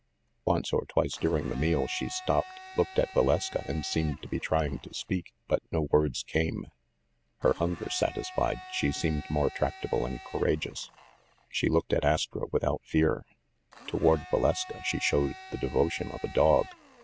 Once or twice during the meal she stopped, looked at Valeska, and seemed to be trying to speak; but no words came. Her hunger satisfied, she seemed more tractable and courageous. She looked at Astro without fear. Toward Valeska, she showed the devotion of a dog.